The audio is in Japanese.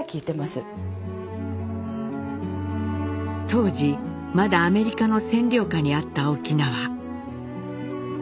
当時まだアメリカの占領下にあった沖縄。